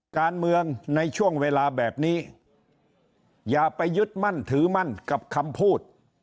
การเมืองในช่วงเวลาแบบนี้อย่าไปยึดมั่นถือมั่นกับคำพูด